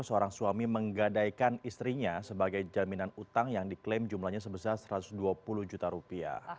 seorang suami menggadaikan istrinya sebagai jaminan utang yang diklaim jumlahnya sebesar satu ratus dua puluh juta rupiah